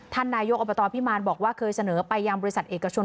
นายกอบตพิมารบอกว่าเคยเสนอไปยังบริษัทเอกชน